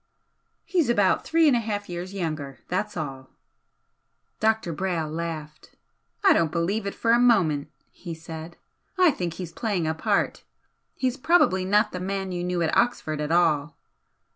"He's about three and a half years younger that's all." Dr. Brayle laughed. "I don't believe it for a moment!" he said "I think he's playing a part. He's probably not the man you knew at Oxford at all."